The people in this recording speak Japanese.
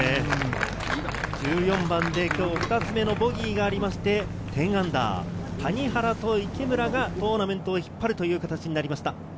１４番で今日２つ目のボギーがありまして−１０、谷原と池村がトーナメントを引っ張るという形になりました。